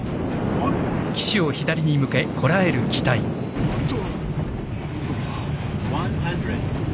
おっと！